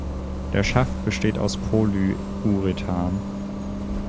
Der Schaft besteht aus Polyurethan.